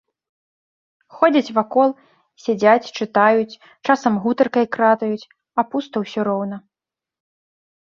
Ходзяць вакол, сядзяць, чытаюць, часам гутаркай кратаюць, а пуста ўсё роўна.